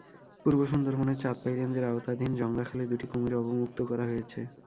পূর্ব সুন্দরবনের চাঁদপাই রেঞ্জের আওতাধীন জংড়া খালে দুটি কুমির অবমুক্ত করা হয়েছে।